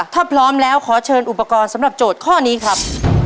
ถ้าพร้อมแล้วขอเชิญอุปกรณ์สำหรับโจทย์ข้อนี้ครับ